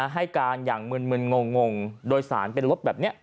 ให้การอย่างมึนงงโดยสารเป็นรถแบบนี้